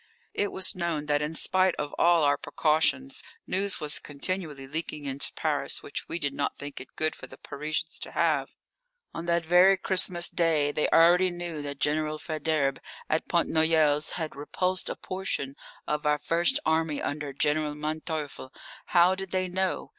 It was known that in spite of all our precautions news was continually leaking into Paris which we did not think it good for the Parisians to have. On that very Christmas Day they already knew that General Faidherbe, at Pont Noyelles, had repulsed a portion of our first army under General Manteuffel. How did they know?